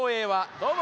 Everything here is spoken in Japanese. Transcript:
どうも。